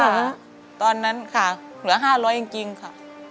ค่ะตอนนั้นค่ะเหลือห้าร้อยจริงค่ะ